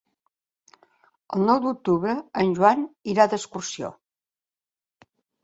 El nou d'octubre en Joan irà d'excursió.